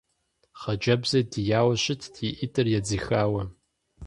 Хъыджэбзыр дияуэ щытт и ӏитӏыр едзыхауэ.